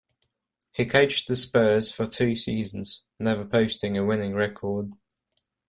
He coached the Spurs for two seasons, never posting a winning record.